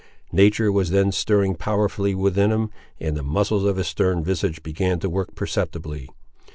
Nature was then stirring powerfully within him, and the muscles of his stern visage began to work perceptibly.